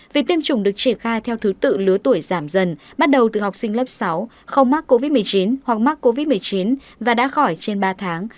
việc tiêm chủng được triển khai theo thứ tự lứa tuổi giảm dần bắt đầu từ học sinh lớp sáu không mắc covid một mươi chín hoặc mắc covid một mươi chín và đã khỏi trên ba tháng